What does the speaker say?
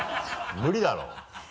無理だろ！